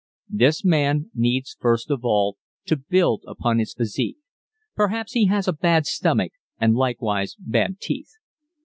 This man needs first of all to build upon his physique. Perhaps he has a bad stomach, and likewise bad teeth.